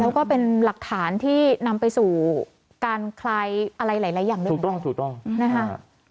ก็เป็นหลักฐานที่นำไปสู่การคลายอะไรหลายอย่างเลยถูกต้องถูกต้องนะคะ